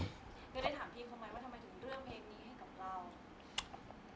ก็ได้ถามพี่ทำไมว่าทำไมถึงเรื่องเพลงนี้ให้กับเรา